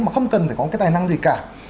mà không cần phải có một cái tài năng gì cả